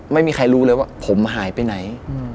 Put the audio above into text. ไม่มีใครรู้เลยว่าผมหายไปไหน